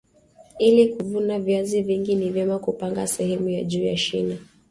ili kuvuna viazi vingi ni vyema kupanga sehemu ya juu ya shina